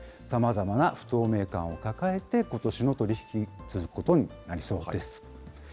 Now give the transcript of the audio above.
さまざまな不透明感を抱えて、ことしの取り引き、続くことになりそうです。